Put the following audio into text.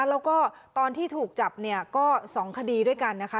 แล้วก็ตอนที่ถูกจับเนี่ยก็๒คดีด้วยกันนะคะ